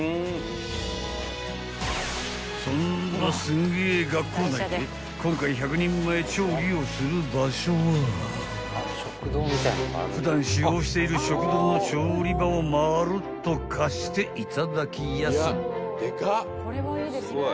［そんなすんげえ学校内で今回１００人前調理をする場所は普段使用している食堂の調理場をまるっと貸していただきやす］